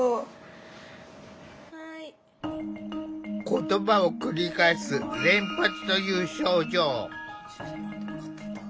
言葉を繰り返す「連発」という症状。